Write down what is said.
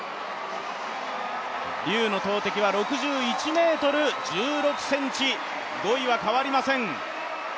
劉の投てきは６１ｍ１６ｃｍ、５位は変わりません。